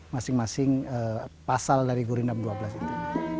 masing masing pasal dari gurindam dua belas itu